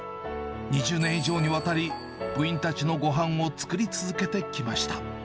２０年以上にわたり、部員たちのごはんを作り続けてきました。